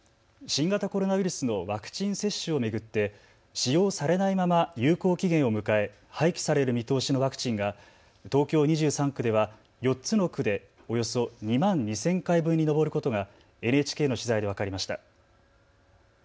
新型コロナウイルスのワクチン接種を巡って使用されないまま有効期限を迎え廃棄される見通しのワクチンが東京２３区では４つの区でおよそ２万２０００回分に上ることがＮＨＫの取材で分かりました。